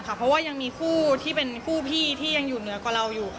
เพราะว่ายังมีคู่ที่เป็นคู่พี่ที่ยังอยู่เหนือกว่าเราอยู่